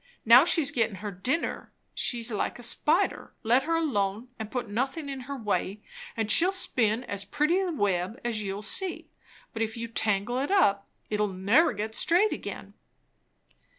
Now she's gettin' her dinner. She's like a spider; let her alone, and put nothin' in her way, and she'll spin as pretty a web as you'll see; but if you tangle it up, it'll never get straight again."